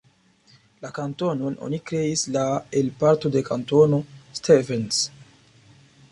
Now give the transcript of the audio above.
La kantonon oni kreis la el parto de Kantono Stevens.